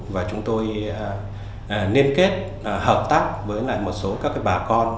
và chúng tôi liên kết hợp tác với một số các bà con